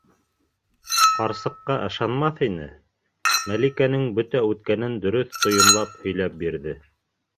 Ҡарсыҡҡа ышанмаҫ ине - Мәликәнең бөтә үткәнен дөрөҫ тойомлап һөйләп бирҙе.